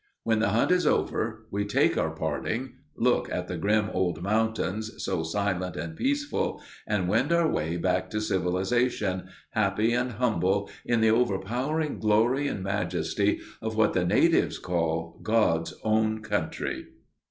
When the hunt is over, we take our parting look at the grim old mountains, so silent and peaceful, and wend our way back to civilization, happy and humble in the overpowering glory and majesty of what the natives call "God's own country."